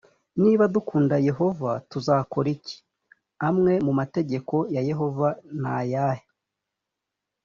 niba dukunda yehova tuzakora iki? amwe mu mategeko ya yehova ni ayahe?